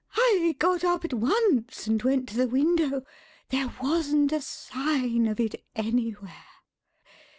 I got up at once and went to the window; there wasn't a sign of it anywhere.